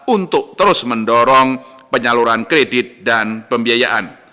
untuk terus mendorong penyaluran kredit dan pembiayaan